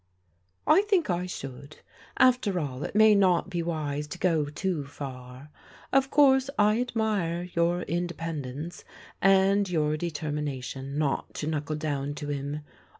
'*" I think I should. After all it may not be wise to go too far. Of course I admire your independence and your determination not to knuckle down to him.